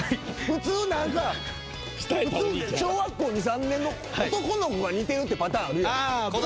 普通小学校２３年の男の子が似てるっていうパターンあるやん。